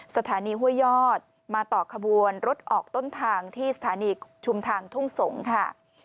สถานีห้วยยอดมาต่อขบวนรถออกต้นทางที่สถานีชุมทางทุ่งสงศ์ค่ะ